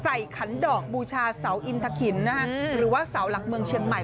ขันดอกบูชาเสาอินทะขินหรือว่าเสาหลักเมืองเชียงใหม่